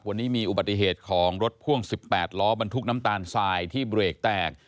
วันนี้มีอุบัติเหตุของรถพ่วง๑๘ล้อบรรทุกน้ำตาลทรายที่เบรกแตก